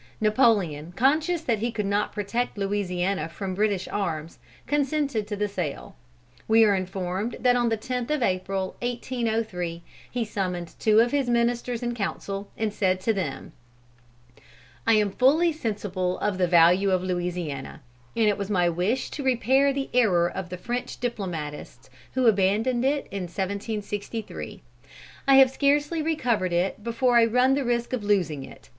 Napoleon, conscious that he could not protect Louisiana from British arms, consented to the sale. We are informed that on the 10th of April, 1803, he summoned two of his ministers in council, and said to them: "I am fully sensible of the value of Louisiana; and it was my wish to repair the error of the French diplomatists who abandoned it in 1763. I have scarcely recovered it before I run the risk of losing it.